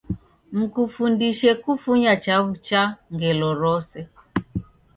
Mkufundishe kufunya chaw'ucha ngelo rose